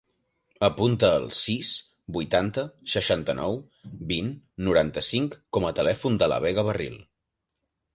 Apunta el sis, vuitanta, seixanta-nou, vint, noranta-cinc com a telèfon de la Vega Barril.